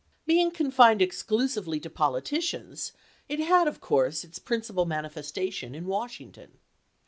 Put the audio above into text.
Being confined exclusively to politicians, it had, of course, its prin cipal manifestation in Washington.